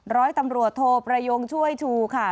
ร้อยตำรวจโทประยงช่วยชูค่ะ